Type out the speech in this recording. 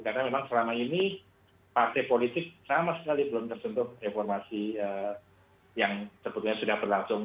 karena memang selama ini partai politik sama sekali belum tersentuh reformasi yang sebetulnya sudah berlangsung